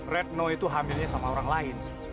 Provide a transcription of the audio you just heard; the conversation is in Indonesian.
retno itu hamilnya sama orang lain